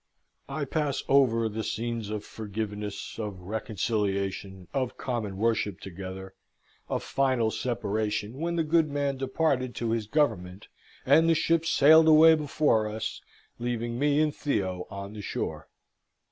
I pass over the scenes of forgiveness, of reconciliation, of common worship together, of final separation when the good man departed to his government, and the ship sailed away before us, leaving me and Theo on the shore.